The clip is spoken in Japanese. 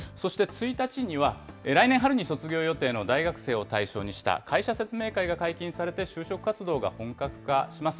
そして１日には、来年春に卒業予定の大学生を対象にした会社説明会が解禁されて、就職活動が本格化します。